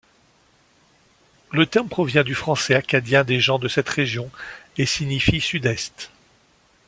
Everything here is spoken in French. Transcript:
Le terme provient du Français acadien des gens de cette région et signifie sud-est.